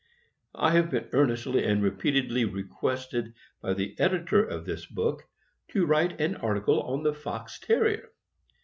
I HA YE been earnestly and repeatedly requested by the Editor of this book to write an article on the Fox Ter rier.